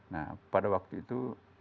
nah pada waktu itu